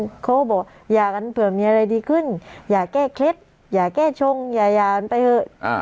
เขาก็บอกอย่ากันเผื่อมีอะไรดีขึ้นอย่าแก้เคล็ดอย่าแก้ชงอย่าหย่ากันไปเถอะ